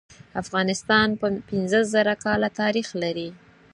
افغانستان پینځه زره کاله تاریخ لري.